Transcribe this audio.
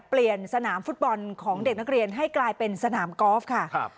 เปลี่ยนสนามฟุตบอลของเด็กนักเรียนให้กลายเป็นสนามกอล์ฟค่ะ